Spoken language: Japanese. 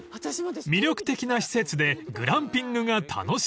［魅力的な施設でグランピングが楽しめる］